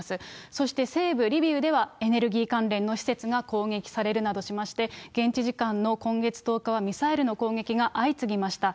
そして西部リビウでは、エネルギー関連の施設が攻撃されるなどしまして、現地時間の今月１０日は、ミサイルの攻撃が相次ぎました。